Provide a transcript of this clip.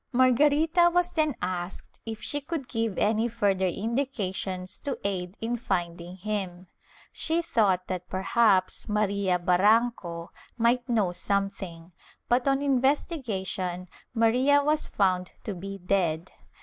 Margarita was then asked if she could give any further indications to aid in finding him: she thought that perhaps Maria Barranco might know something, but on investigation Maria was found to be dead.